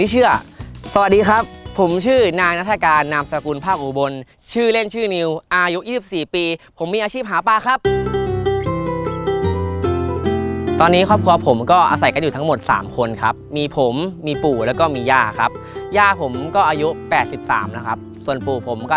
ย่าผมก็อายุ๘๓นะครับส่วนปู่ผมก็อายุ๗๖